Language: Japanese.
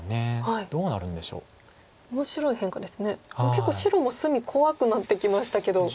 結構白も隅怖くなってきましたけど。